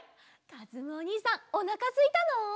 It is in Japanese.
かずむおにいさんおなかすいたの？